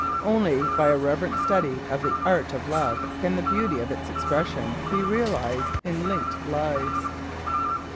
Only by a reverent study of the Art of Love can the beauty of its expression be realised in linked lives.